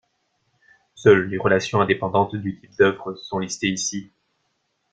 Seules les relations indépendantes du type d'Œuvre sont listées ici.